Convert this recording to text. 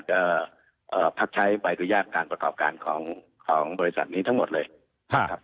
ก็เอ่อพักใช้บริกุญญาติการประกอบการของของบริษัทนี้ทั้งหมดเลยครับ